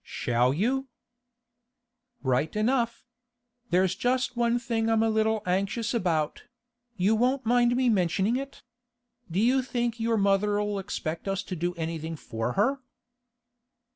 'Shall you?' 'Right enough. There's just one thing I'm a little anxious about; you won't mind me mentioning it? Do you think your mother'll expect us to do anything for her?